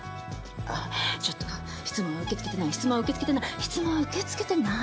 ちょっと質問は受け付けてない質問は受け付けてない質問は受け付けてないの。